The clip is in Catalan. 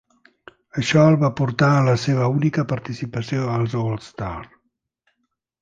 Això el va portar a la seva única participació als All-Star.